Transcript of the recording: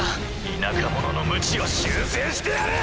田舎者の無知を修正してやる！